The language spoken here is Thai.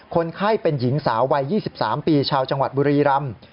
คนไข้เป็นหญิงสาววัย๒๓ปีชาวจังหวัดบุรีรำ